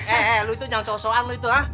eh lu itu nyangkau soal lu itu hah